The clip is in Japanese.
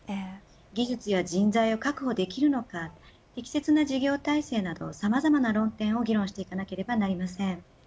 技術や人材を確保できるのか適切な事業体制など、さまざまな論点を議論していかなければいけません。